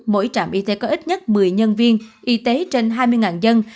mỗi trạm y tế có ít nhất một mươi nhân viên y tế trên hai mươi dân